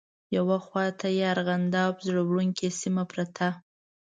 یوه خواته یې ارغنداب زړه وړونکې سیمه پرته.